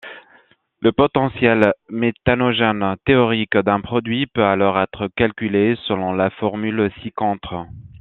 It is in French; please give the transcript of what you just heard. Le potentiel méthanogène théorique d’un produit, peut alors être calculé selon la formule ci-contre.